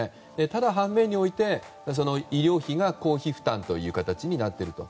ただ反面において医療費が公費負担という形になっていると。